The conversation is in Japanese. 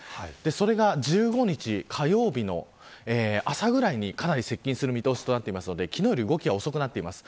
それが１５日火曜日の朝ぐらいにかなり接近する見通しとなっていますので昨日より動きは遅いです。